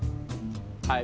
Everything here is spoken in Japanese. はい。